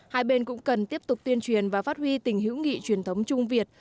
hai bên cũng cần tiếp tục tuyên truyền và phát huy tình hữu nghị truyền thống trung việt